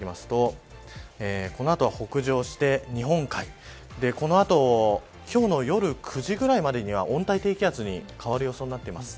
この後は北上して日本海この後、今日の夜９時ぐらいまでには温帯低気圧に変わる予想になっています。